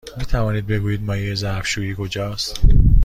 می توانید بگویید مایع ظرف شویی کجاست؟